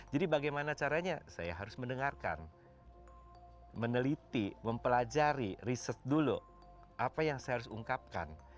jadi bagaimana caranya saya harus mendengarkan meneliti mempelajari research dulu apa yang saya harus ungkapkan